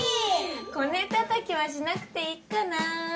こねたたきはしなくていっかな。